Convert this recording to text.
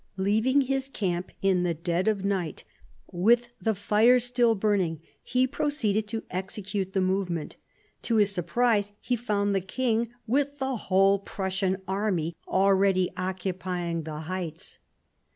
Leaving his camp in the dead of night with the fires still burning, he proceeded to execute the movement. To his surprise he found the king with the whole Prussian army already occupying the heights.